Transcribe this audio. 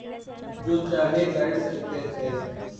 جو چاہے کر سکتے تھے۔